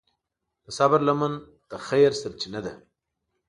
د صبر لمن د خیر سرچینه ده.